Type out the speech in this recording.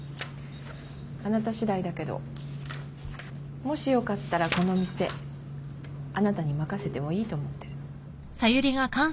あなたしだいだけどもしよかったらこの店あなたに任せてもいいと思ってるの。